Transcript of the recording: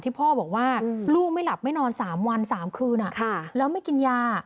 พ่อบอกว่าลูกไม่หลับไม่นอน๓วัน๓คืนแล้วไม่กินยา